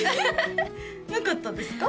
なかったですか？